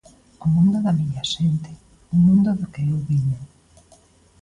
O mundo da miña xente, un mundo do que eu veño.